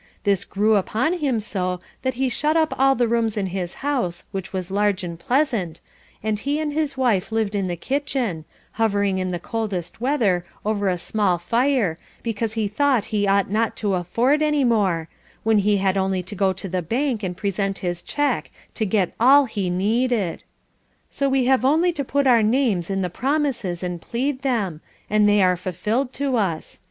This grew upon him so, that he shut up all the rooms in his house, which was large and pleasant, and he and his wife lived in the kitchen, hovering in the coldest weather over a small fire because he thought he ought not to afford any more, when he had only to go to the bank and present his cheque to get all he needed. So we have only to put our names in the promises and plead them, and they are fulfilled to us.